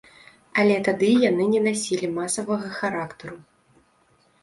Але тады яны не насілі масавага характару.